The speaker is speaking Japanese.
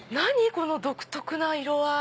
この独特な色合い。